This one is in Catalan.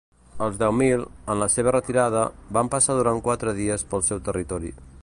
Els deu mil, en la seva retirada, van passar durant quatre dies pel seu territori.